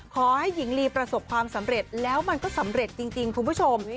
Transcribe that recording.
ขอให้หญิงลีประสบความสำเร็จแล้วมันก็สำเร็จจริงคุณผู้ชม